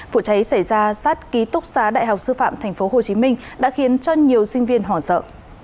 vụ cháy xảy ra sát ký túc xá đại học sư phạm tp hcm đã khiến cho nhiều sinh viên hoảng sợ